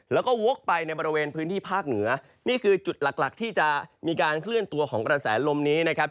แล้วก็วกไปในบริเวณพื้นที่ภาคเหนือนี่คือจุดหลักหลักที่จะมีการเคลื่อนตัวของกระแสลมนี้นะครับ